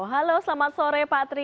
halo selamat sore pak tri